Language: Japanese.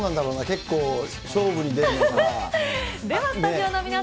結構、勝負に出るのかな。